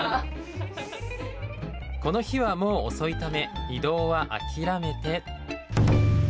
この日はもう遅いため移動は諦めて。